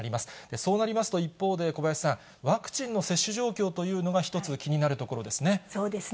そうなりますと、一方で、小林さん、ワクチンの接種状況というのが一つ気になるところですね。